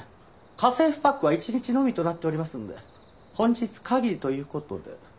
家政婦パックは一日のみとなっておりますので本日限りという事で。